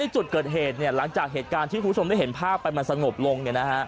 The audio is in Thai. จุดเกิดเหตุหลังจากเหตุการณ์ที่คุณผู้ชมได้เห็นภาพไปมันสงบลง